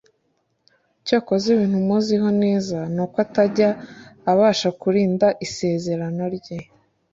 cyokoza ikintu muziho neza nuko atajya abashkurinda isezerano rye